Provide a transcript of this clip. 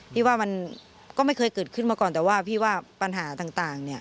พี่ว่ามันก็ไม่เคยเกิดขึ้นมาก่อนแต่ว่าพี่ว่าปัญหาต่างเนี่ย